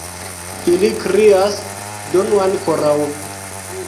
Ili krias: donu ankoraŭ!